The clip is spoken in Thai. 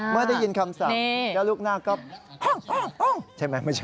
เมื่อได้ยินคำสั่งแล้วลูกนากก็ฮ่องใช่ไหมไม่ใช่